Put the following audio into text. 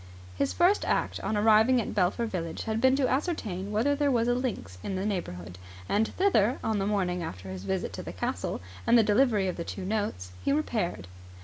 His first act on arriving at Belpher village had been to ascertain whether there was a links in the neighbourhood; and thither, on the morning after his visit to the castle and the delivery of the two notes, he repaired.